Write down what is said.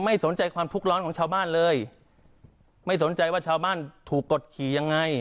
ไม่สนใจความทุกข์ร้อนของชาวบ้านเลยไม่สนใจว่าชาวบ้านถูกกดขี่ยังไง